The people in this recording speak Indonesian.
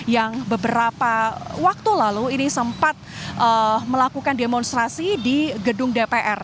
yang beberapa waktu lalu ini sempat melakukan demonstrasi di gedung dpr